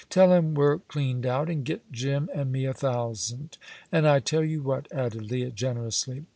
Tell him we're cleaned out, and get Jim and me a thousand. And I tell you what," added Leah, generously.